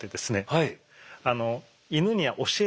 はい。